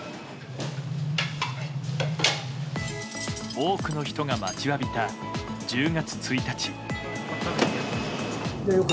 多くの人が待ちわびた１０月１日。